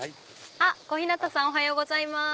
小日向さんおはようございます。